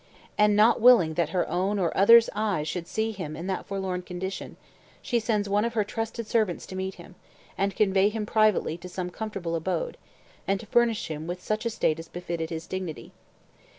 And, not willing that her own or others' eyes should see him in that forlorn condition, she sends one of her trusted servants to meet him, and convey him privately to some comfortable abode, and to furnish him with such state as befitted his dignity.